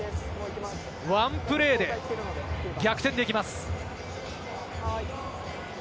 １プレーで逆転できます。